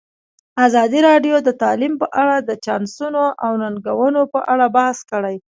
ازادي راډیو د تعلیم په اړه د چانسونو او ننګونو په اړه بحث کړی.